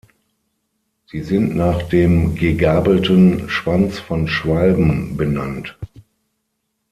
Sie sind nach dem gegabelten Schwanz von Schwalben benannt.